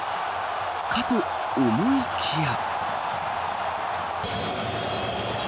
かと思いきや。